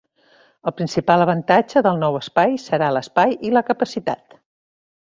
El principal avantatge del nou espai serà l'espai i la capacitat.